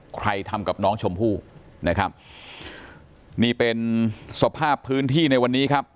ใครทำกับน้องชมพู่นะครับนี่เป็นสภาพพื้นที่ในวันนี้ครับ